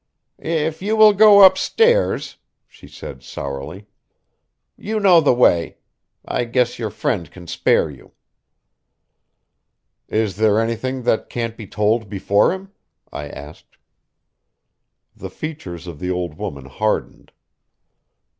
"If you will go upstairs," she said sourly. "You know the way. I guess your friend can spare you." "Is there anything that can't be told before him?" I asked. The features of the old woman hardened.